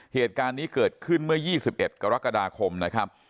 เหตุการณ์นี้เกิดขึ้นเมื่อ๒๑กรกฎาคมนะครับ